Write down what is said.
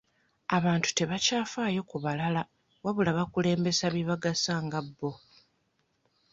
Abantu tebakyafaayo ku balala wabula bakulembeza bibagasa nga bbo.